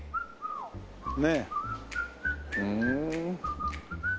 ねえふん。